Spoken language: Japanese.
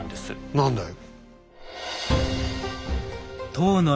何だい？